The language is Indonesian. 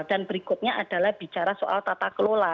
dan berikutnya adalah bicara soal tata kelola